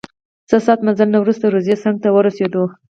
څه ساعت مزل نه وروسته روضې څنګ ته راورسیدو.